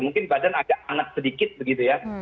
mungkin badan agak hangat sedikit begitu ya